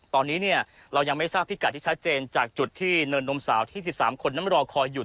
ตอนนี้เรายังไม่ทราบพิกัดที่ชัดเจนจากจุดที่เนินนมสาวที่๑๓คนนั้นรอคอยอยู่